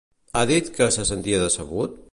Ha dit que se sentia decebut?